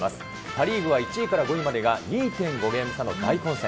パ・リーグは１位から５位までが２．５ゲーム差の大混戦。